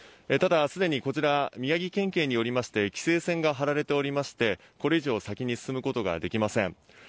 ただ、すでに宮城県警により規制線が張られていましてこれ以上先に進むことができません。